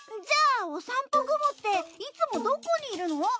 じゃあおさんぽ雲っていつもどこにいるの？